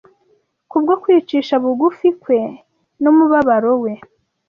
kubwo kwicisha bugufi kwe, n’umubabaro we,